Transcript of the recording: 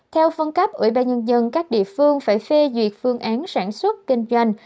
theo phân cấp ủy ba nhân dân các địa phương phải phê duyệt phương án sản xuất kinh doanh